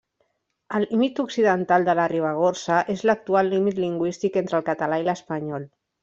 El límit occidental de la Ribagorça és l’actual límit lingüístic entre el català i l’espanyol.